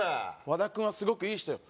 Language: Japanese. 和田くんはすごくいい人よ